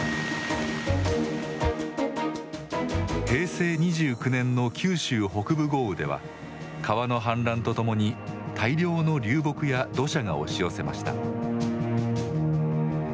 平成２９年の九州北部豪雨では川の氾濫とともに大量の流木や土砂が押し寄せました。